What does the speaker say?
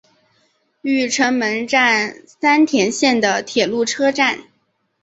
御成门站三田线的铁路车站。